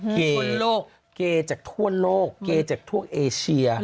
เกย์เกย์จากทั่วโลกเกย์จากทั่วเอเชียคุณลูก